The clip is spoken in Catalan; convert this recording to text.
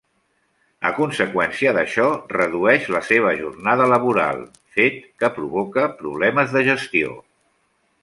A conseqüència d'això, redueix la seva jornada laboral, fet que provoca problemes de gestió.